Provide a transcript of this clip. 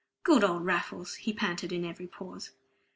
"Good old Raffles!" he panted in every pause.